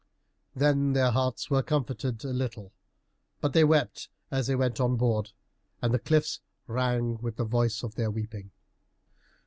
Then their hearts were comforted a little, but they wept as they went on board; and the cliffs rang with the voice of their weeping.